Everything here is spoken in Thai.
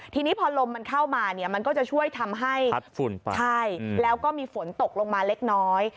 ทีนี้พอลมมันเข้ามาเนี่ยมันก็จะช่วยทำให้พัดฝุ่นไปใช่แล้วก็มีฝนตกลงมาเล็กน้อย